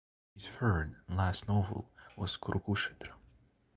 His third and last novel was ""Kurukshetra"".